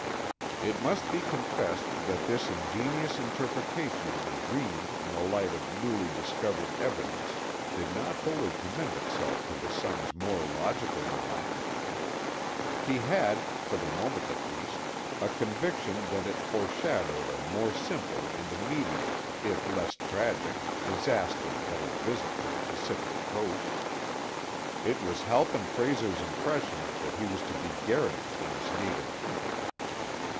It must be confessed that this ingenious interpretation of the dream in the light of newly discovered evidence did not wholly commend itself to the son's more logical mind; he had, for the moment at least, a conviction that it foreshadowed a more simple and immediate, if less tragic, disaster than a visit to the Pacific Coast. It was Halpin Frayser's impression that he was to be garroted on his native heath.